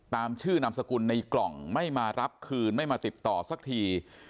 ตามชื่อนามสกุลในกล่องไม่มารับคืนไม่มาติดต่อสักที